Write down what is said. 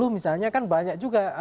dua ribu sepuluh misalnya kan banyak juga